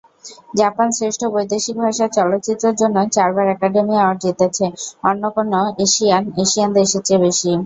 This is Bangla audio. জাপান শ্রেষ্ঠ বৈদেশিক ভাষা চলচ্চিত্রের জন্য চারবার একাডেমি অ্যাওয়ার্ড জিতেছে, অন্য কোনও এশিয়ান এশিয়ান দেশের চেয়ে বেশি।